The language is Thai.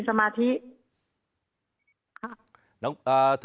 จะได้มีสมาธิ